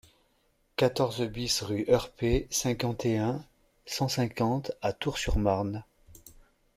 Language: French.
quatorze BIS rue Heurpé, cinquante et un, cent cinquante à Tours-sur-Marne